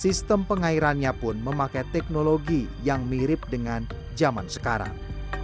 sistem pengairannya pun memakai teknologi yang mirip dengan zaman sekarang